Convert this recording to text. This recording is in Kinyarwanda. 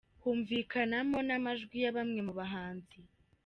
humvikanamo namajwi ya bamwe mu bahanzi.